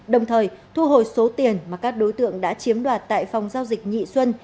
đồng thời thu hồi số tiền mà các đối tượng đã chiếm đoạt tại phòng giao dịch nhị xuân